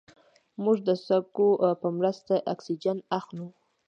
موږ د سږو په مرسته اکسیجن اخلو